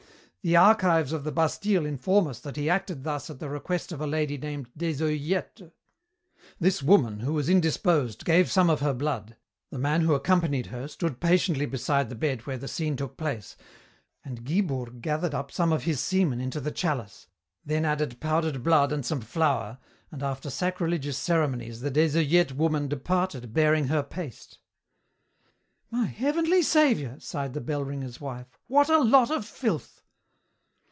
The archives of the Bastille inform us that he acted thus at the request of a lady named Des Oeillettes: "This woman, who was indisposed, gave some of her blood; the man who accompanied her stood patiently beside the bed where the scene took place, and Guibourg gathered up some of his semen into the chalice, then added powdered blood and some flour, and after sacrilegious ceremonies the Des Oeillettes woman departed bearing her paste." "My heavenly Saviour!" sighed the bell ringer's wife, "what a lot of filth."